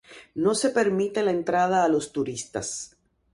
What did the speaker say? No se permite la entrada a los turistas.